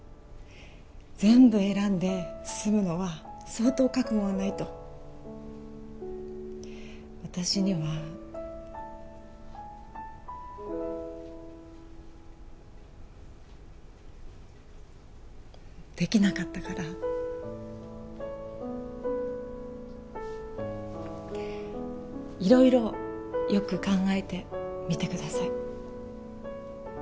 全部選んで進むのは相当覚悟がないと私にはできなかったから色々よく考えてみてください